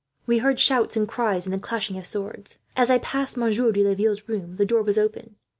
We heard shouts, and cries, and the clashing of swords. "'As I passed Monsieur de Laville's room, the door was open.